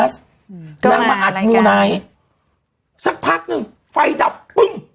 สักพักหนึ่งไฟดับบึ้ง